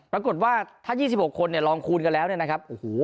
ปรากฏว่าถ้ายี่สิบหกคนเนี่ยรองคูณกันแล้วเนี่ยนะครับอูหู